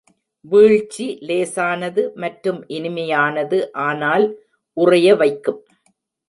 வீழ்ச்சி லேசானது மற்றும் இனிமையானது, ஆனால் உறைய வைக்கும்.